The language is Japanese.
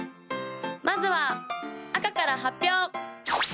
・まずは赤から発表！